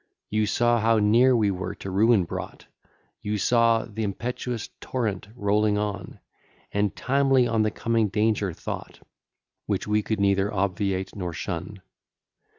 You saw how near we were to ruin brought, You saw th'impetuous torrent rolling on; And timely on the coming danger thought, Which we could neither obviate nor shun.